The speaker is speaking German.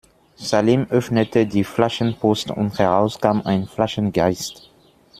Salim öffnete die Flaschenpost und heraus kam ein Flaschengeist.